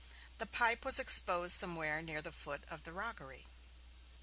The pipe was exposed somewhere near the foot of the rockery.